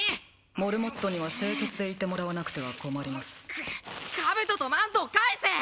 モルモットには清潔でいてもらわなくては困ります兜とマントを返せ！